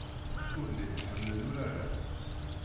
Ur llin ḥemmlen urar-a.